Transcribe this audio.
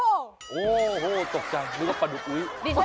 โอ้โฮตกใจนึกว่าปลาดุ้ย